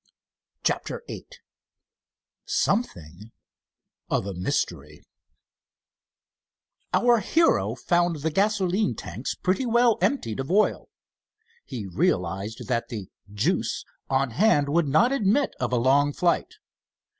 CHAPTER VIII SOMETHING OF A MYSTERY Our hero found the gasoline tanks pretty well emptied of oil. He realized that the "juice" on hand would not admit of a long flight.